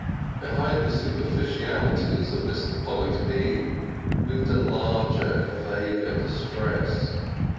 Behind the superficialities of Mr. Polly's being, moved a larger and vaguer distress.